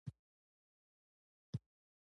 زموږ تاریخي وطن د ګرځندوی لپاره غوره فرصتونه لري.